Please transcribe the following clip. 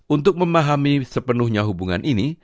untuk memahami sepenuhnya hubungan ini